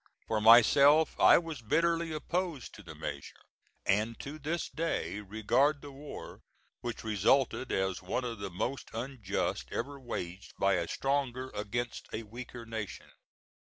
For myself, I was bitterly opposed to the measure, and to this day regard the war, which resulted, as one of the most unjust ever waged by a stronger against a weaker nation.